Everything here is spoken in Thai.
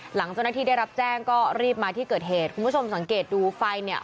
หลังเจ้าหน้าที่ได้รับแจ้งก็รีบมาที่เกิดเหตุคุณผู้ชมสังเกตดูไฟเนี่ย